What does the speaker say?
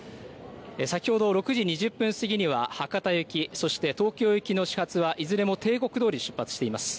先ほど６時２０分過ぎには博多行き、そして東京行きの始発はいずれも定刻どおり出発しています。